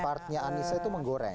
partnya anissa itu menggoreng